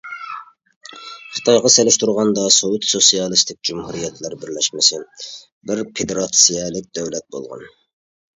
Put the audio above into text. خىتايغا سېلىشتۇرغاندا سوۋېت سوتسىيالىستىك جۇمھۇرىيەتلەر بىرلەشمىسى بىر فېدېراتسىيەلىك دۆلەت بولغان.